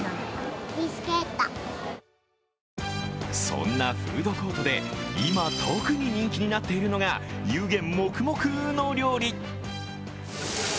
そんなフードコートで今、特に人気になっているのが湯気もくもくの料理。